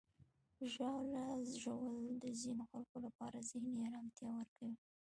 ژاوله ژوول د ځینو خلکو لپاره ذهني آرامتیا ورکوي.